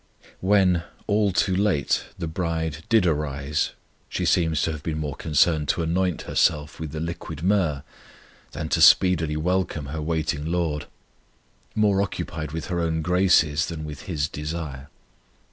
When, all too late, the bride did arise, she seems to have been more concerned to anoint herself with the liquid myrrh than to speedily welcome her waiting LORD; more occupied with her own graces than with His desire.